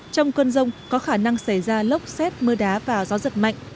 trong cơn rông có khả năng xảy ra lốc xét mưa đá và gió giật mạnh